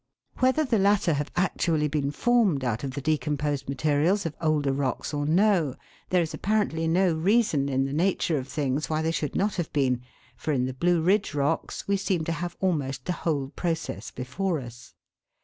Whether the latter have actually been formed out of the decomposed materials of older rocks or no, there is apparently no reason in the nature of things why they should not have been, for in the Blue Ridge rocks we seem to have almost the whole process before us.